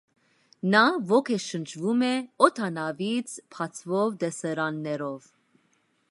Նա ոգեշնչվում է օդանավից բացվող տեսարաններով։